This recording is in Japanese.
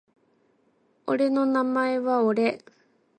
俺の名前は俺